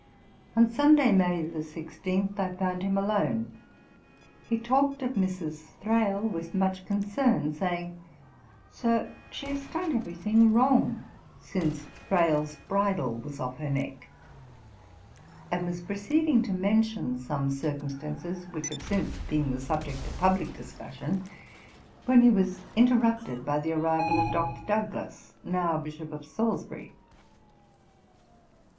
On Sunday, May 16, I found him alone; he talked of Mrs. Thrale with much concern, saying, 'Sir, she has done every thing wrong, since Thrale's bridle was off her neck;' and was proceeding to mention some circumstances which have since been the subject of publick discussion, when he was interrupted by the arrival of Dr. Douglas, now Bishop of Salisbury.